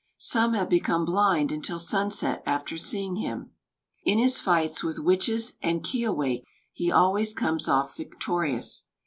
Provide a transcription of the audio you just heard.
Some have become blind until sunset after seeing him. In his fights with witches and kiawākq', he always comes off victorious.